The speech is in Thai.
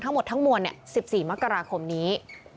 ทั้งหมดทั้งมวล๑๔มกราคมนี้